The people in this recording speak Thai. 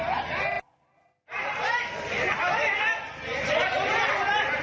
สะเหียกสะเหียกสะเหียกสะเหียกสะเหียก